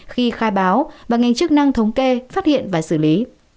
khi khai báo và ngành chức năng thống kê phát hiện và xử lý